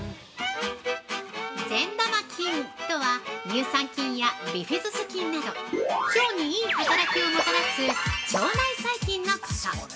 ◆善玉菌とは乳酸菌やビフィズス菌など腸にいい働きをもたらす腸内細菌のこと。